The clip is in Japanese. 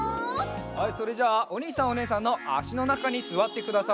はいそれじゃあおにいさんおねえさんのあしのなかにすわってください。